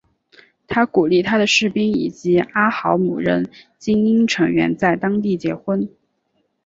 他鼓励他的士兵以及阿豪姆人精英成员在当地结婚。